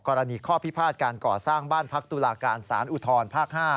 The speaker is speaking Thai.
กรณีข้อพิพาทการก่อสร้างบ้านพักตุลาการสารอุทธรภาค๕